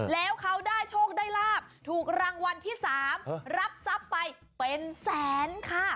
แล้วเขาได้โชคได้ลาบถูกรางวัลที่๓รับทรัพย์ไปเป็นแสนค่ะ